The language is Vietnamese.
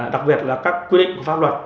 đặc biệt là các quy định pháp luật